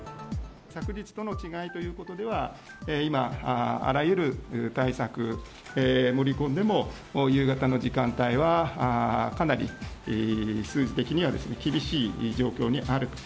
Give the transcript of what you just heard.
昨日との違いということでは、今、あらゆる対策、盛り込んでも、夕方の時間帯はかなり数字的には厳しい状況にあると。